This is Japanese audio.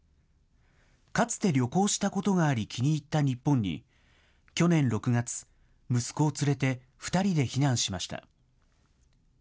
かつて旅行したことがあり、気に入った日本に、去年６月、息子を連れて２人で避難しました。